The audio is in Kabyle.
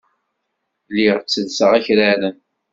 Lliɣ ttellseɣ akraren.